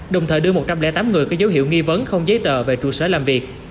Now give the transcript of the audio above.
đồng thời đưa một trăm linh tám người có dấu hiệu nghi vấn không giấy tờ về trụ sở làm việc